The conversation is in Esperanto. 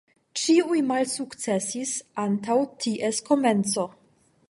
Ĉiuj malsukcesis antaŭ ties komenco.